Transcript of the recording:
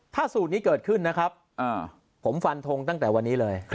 ถ้าสูตรนี้เกิดขึ้นนะครับผมฟันทงตั้งแต่วันนี้เลย